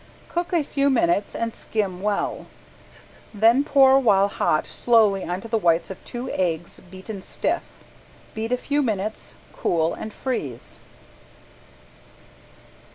Cook a few minutes and skim well, then pour while hot slowly on to the whites of two eggs beaten stiff. Beat a few minutes, cool, and freeze.